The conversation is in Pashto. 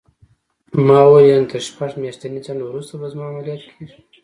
ما وویل: یعنې تر شپږ میاشتني ځنډ وروسته به زما عملیات کېږي؟